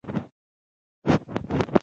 د طالب مشرانو نومونه له تور لیست څخه وباسي.